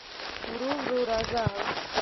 ورو ورو راځه